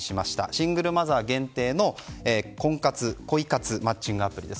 シングルマザー限定の婚活・恋活マッチングアプリです。